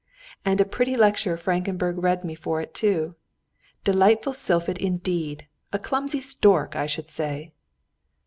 And a pretty lecture Frankenburg read me for it too! "Delightful Sylphid indeed! A clumsy stork, I should say!"